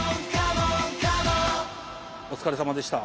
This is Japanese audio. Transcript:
お疲れさまでした。